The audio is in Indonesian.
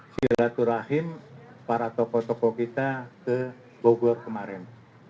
si raturahim para tokoh tokoh kita ke bogor kemarin